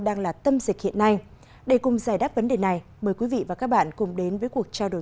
đang là tâm dịch hiện nay để cùng giải đáp vấn đề này mời quý vị và các bạn cùng đến với cuộc trao đổi